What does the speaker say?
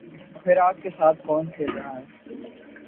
تو پھر آگ کے ساتھ کون کھیل رہا ہے؟